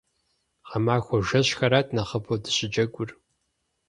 Гъэмахуэ жэщхэрат нэхъыбэу дыщыджэгур.